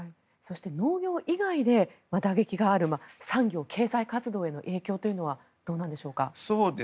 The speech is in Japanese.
農業以外で打撃がある産業・経済活動の影響はどうなんでしょうか？